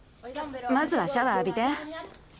まずはシャワー浴びて。